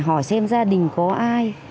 hỏi xem gia đình có ai